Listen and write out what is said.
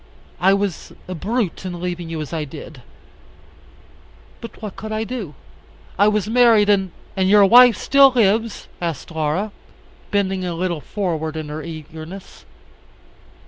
I was a brute in leaving you as I did. But what could I do? I was married, and " "And your wife still lives?" asked Laura, bending a little forward in her eagerness.